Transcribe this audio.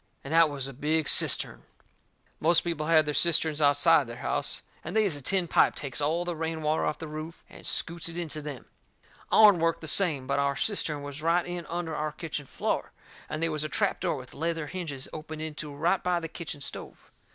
And that was a big cistern. Most people has their cisterns outside their house, and they is a tin pipe takes all the rain water off the roof and scoots it into them. Ourn worked the same, but our cistern was right in under our kitchen floor, and they was a trap door with leather hinges opened into it right by the kitchen stove.